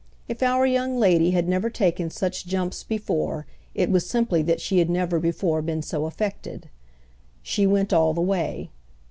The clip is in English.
If our young lady had never taken such jumps before it was simply that she had never before been so affected. She went all the way.